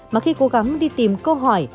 mà khi cố gắng đi tìm câu hỏi